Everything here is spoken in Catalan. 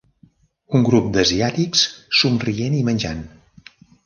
Un grup d'asiàtics somrient i menjant